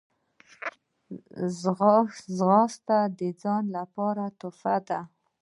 ځغاسته د ځان لپاره تحفه ده